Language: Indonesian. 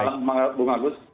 selamat malam bu agus